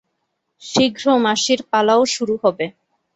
শীঘ্র মাসির পালাও শুরু হবে।